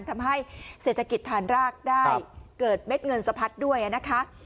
ทำให้เศรษฐกิจฐานรากได้เกิดเม็ดเงินสะพัดด้วยนะคะ